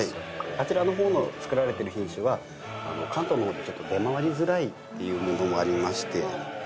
あちらの方の作られてる品種は関東の方でちょっと出回りづらいっていうものもありまして。